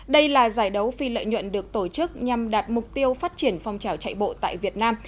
đây là giải đấu phi lợi nhuận được tổ chức nhằm đạt mục tiêu phát triển phong trào chạy bộ tại việt nam